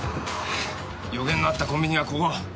予言があったコンビニはここ。